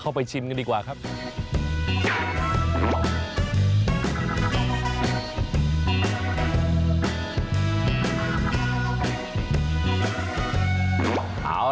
แล้วนานที่นี่ที่จะมากก็กลับมากกว่า